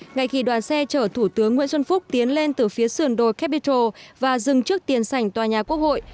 ngay khi đoàn xe chở thủ tướng nguyễn xuân phúc tiến lên từ phía sườn đồi capital và dừng trước tiền sảnh tòa nhà quốc hội